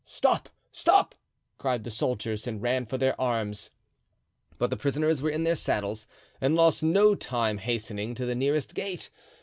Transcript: "Stop! stop!" cried the soldiers, and ran for their arms. But the prisoners were in their saddles and lost no time hastening to the nearest gate.